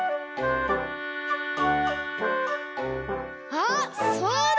あっそうだ！